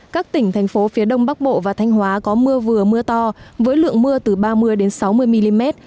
các tỉnh thành phố phía đông bắc bộ và thanh hóa có mưa vừa mưa to với lượng mưa từ ba mươi sáu mươi mm